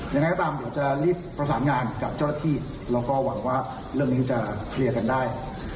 ยังไงก็ตามเดี๋ยวจะรีบประสานงานกับเจ้าหน้าที่แล้วก็หวังว่าเรื่องนี้จะเคลียร์กันได้